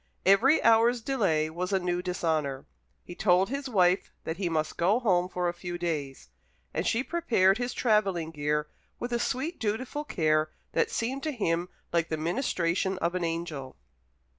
Every hour's delay was a new dishonour. He told his wife that he must go home for a few days; and she prepared his travelling gear, with a sweet dutiful care that seemed to him like the ministration of an angel.